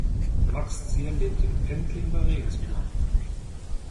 Max Zierl lebt in Pentling bei Regensburg.